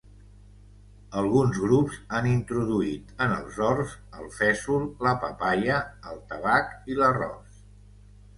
Alguns grups han introduït en els horts el fesol, la papaia, el tabac i l'arròs.